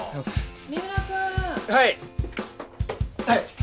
はい。